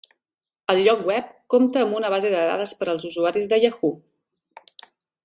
El lloc web compte amb una base de dades per als usuaris de Yahoo!